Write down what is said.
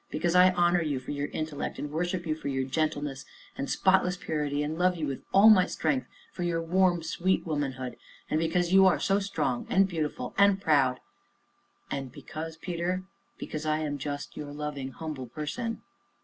Because I honor you for your intellect; and worship you for your gentleness, and spotless purity; and love you with all my strength for your warm, sweet womanhood; and because you are so strong, and beautiful, and proud " "And because, Peter, because I am just your loving Humble Person."